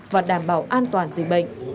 và đảm bảo an toàn dịch bệnh